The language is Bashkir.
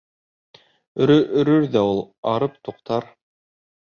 Өрөр-өрөр ҙә ул, арып, туҡтар.